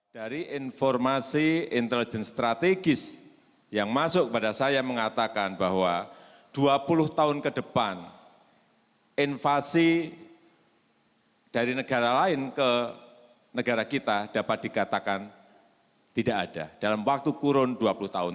dari informasi intelijen strategis yang masuk kepada saya mengatakan bahwa dua puluh tahun ke depan invasi dari negara lain ke negara kita dapat dikatakan tidak ada dalam waktu kurun dua puluh tahun